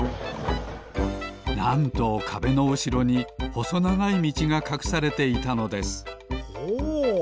なんとかべのうしろにほそながいみちがかくされていたのですほう！